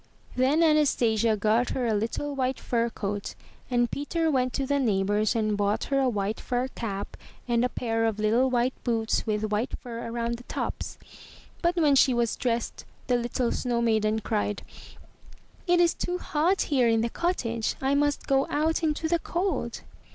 Then Anastasia got her a little white fur coat, and Peter went to the neighbor's and bought her a white fur cap and a pair of little white boots with white fur around the tops. But when she was dressed, the little snow maiden cried, ''It is too hot here in the cottage. I must go out into the cold.'